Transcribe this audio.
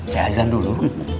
saya ajan dulu